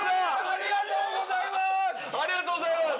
ありがとうございます。